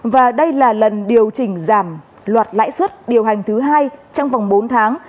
và đây là lần điều chỉnh giảm loạt lãi suất điều hành thứ hai trong vòng bốn tháng